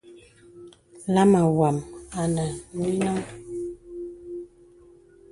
Lāma wām anə̀ nè nìnəŋ.